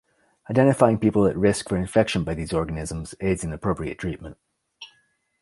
Identifying people at risk for infection by these organisms aids in appropriate treatment.